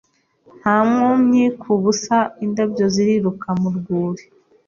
Nta nkomyi ku busa indabyo ziriruka mu rwuri